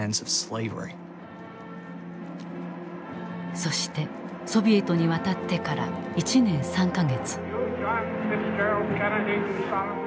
そしてソビエトに渡ってから１年３か月。